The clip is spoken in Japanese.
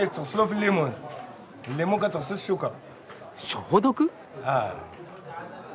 消毒？